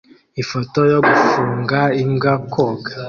Ifoto yo gufunga imbwa koga